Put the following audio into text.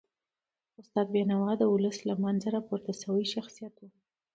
استاد بینوا د ولس له منځه راپورته سوی شخصیت و.